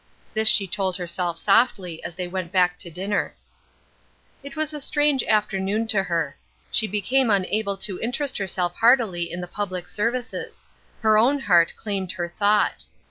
This she told herself softly as they went back to dinner. It was a strange afternoon to her. She became unable to interest herself heartily in the public services; her own heart claimed her thought.